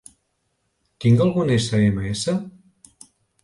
Tinc algun sms?